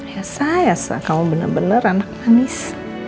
elsa elsa kamu bener bener anak manis